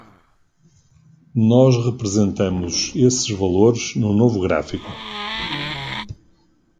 Nós representamos esses valores no novo gráfico.